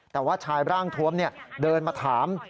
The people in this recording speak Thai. แต่ว่าชายร่างทวมเดินมาถาม